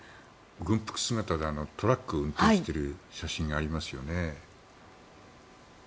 軍服姿でトラックを運転している写真がありましたよね。